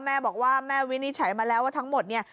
แม่บอกว่าแม่วินิจฉัยมาแล้วว่าทั้งหมดเนี่ย